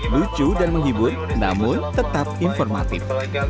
lucu dan menghibur namun tetap informatif